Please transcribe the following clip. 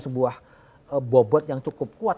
sebuah bobot yang cukup kuat